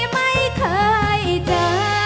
ไม่เคยเจอ